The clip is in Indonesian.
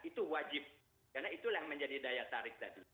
itu wajib karena itulah yang menjadi daya tarik tadi